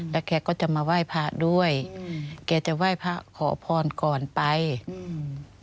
แล้วแกก็จะมาไหว้พระด้วยอืมแกจะไหว้พระขอพรก่อนไปอืม